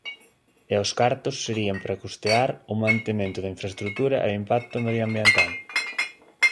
E os cartos serían para custear o mantemento da infraestrutura e o impacto medioambiental.